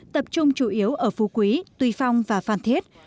tập trung chủ yếu ở phú quý tuy phong và phan thiết